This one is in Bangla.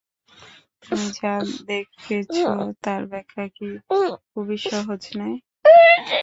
তুমি যা দেখেছ, তার ব্যাখ্যা কি খুবই সহজ নয়?